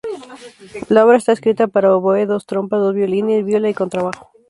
La obra está escrita para oboe, dos trompas, dos violines, viola y contrabajo.